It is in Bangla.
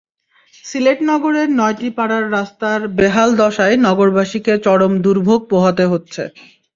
সিলেট নগরের নয়টি পাড়ার রাস্তার বেহাল দশায় নগরবাসীকে চরম দুর্ভোগ পোহাতে হচ্ছে।